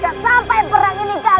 jangan sampai perang ini gagal